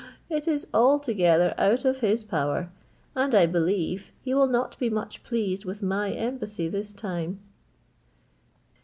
It is altogether out of his power, and I believe he will not be much pleased with my embassy this time."